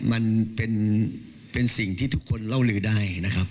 มันเป็นสิ่งที่ทุกคนเล่าลือได้นะครับ